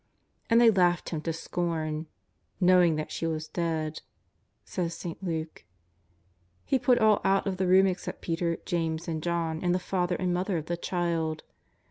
And they laughed Him to scorn, " knowing that she was dead," says St. Luke. He put all out of the room except Peter, James and John and the father and mother of the child.